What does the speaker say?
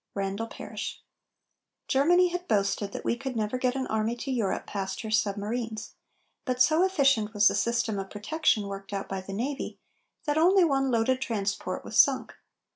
RANDALL PARRISH. Germany had boasted that we could never get an army to Europe past her submarines, but so efficient was the system of protection worked out by the navy, that only one loaded transport was sunk.